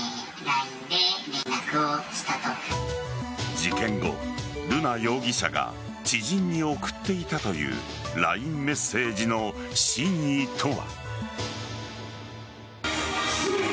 事件後、瑠奈容疑者が知人に送っていたというＬＩＮＥメッセージの真意とは。